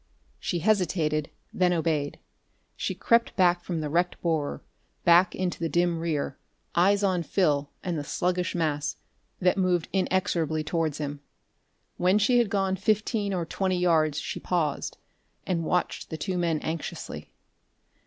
She hesitated, then obeyed. She crept back from the wrecked borer, back into the dim rear, eyes on Phil and the sluggish mass that moved inexorably towards him. When she had gone fifteen or twenty yards she paused, and watched the two men anxiously.